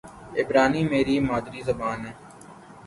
عبرانی میری مادری زبان ہے